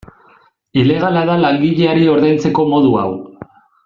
Ilegala da langileari ordaintzeko modu hau.